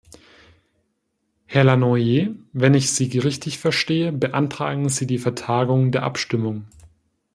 Herr Lannoye, wenn ich Sie richtig verstehe, beantragen Sie die Vertagung der Abstimmung.